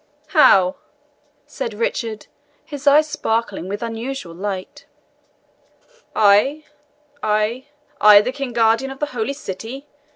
"How!" said Richard, his eyes sparkling with unusual light. "I I I the King Guardian of the Holy City!